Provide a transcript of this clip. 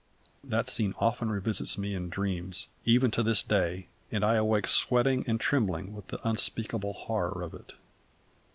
That scene often revisits me in dreams, even to this day, and I awake sweating and trembling with the unspeakable horror of it.